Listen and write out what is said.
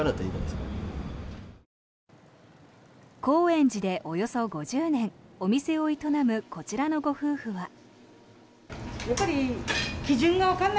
高円寺でおよそ５０年お店を営むこちらのご夫婦は。